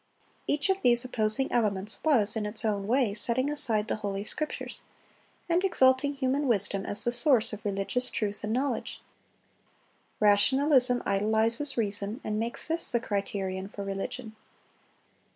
Each of these opposing elements was in its own way setting aside the Holy Scriptures, and exalting human wisdom as the source of religious truth and knowledge. Rationalism idolizes reason, and makes this the criterion for religion.